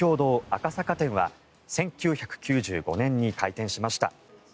赤坂店は１９９５年に開店しました。